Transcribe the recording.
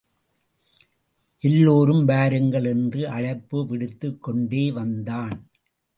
எல்லோரும் வாருங்கள்! என்று அழைப்பு விடுத்துக் கொண்டே வந்தான்.